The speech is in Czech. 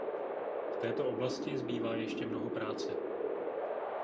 V této oblasti zbývá ještě mnoho práce.